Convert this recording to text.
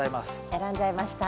選んじゃいました。